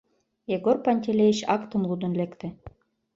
Егор Пантелеич актым лудын лекте.